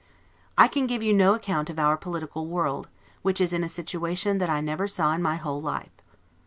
I can give you no account of our political world, which is in a situation that I never saw in my whole life.